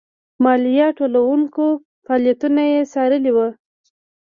مالیه ټولوونکو فعالیتونه یې څارلي وو.